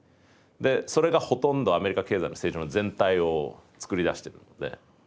でそれがほとんどアメリカ経済の成長の全体を作り出してるので。